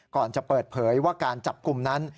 ก่อนจะเปิดเผยว่าการจับกลุ่มนั้น